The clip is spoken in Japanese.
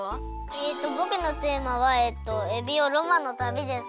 えっとぼくのテーマはエビオロマンのたびです。